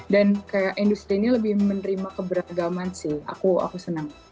dan kayak industri ini lebih menerima keberagaman sih aku aku senang